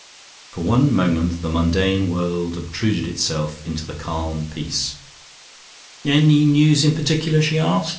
For one moment the mundane world obtruded itself into the calm peace. "Any news in particular?" she asked.